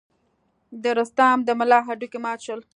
د رستم د ملا هډوکي مات شول.